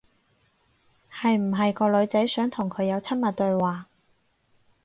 係唔係個女仔想同佢有親密對話？